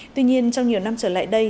tuy nhiên trong nhiều năm trở lại đây